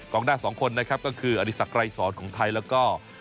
หน้าสองคนนะครับก็คืออดีศักดรายสอนของไทยแล้วก็